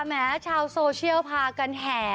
แม้ชาวโซเชียลพากันแห่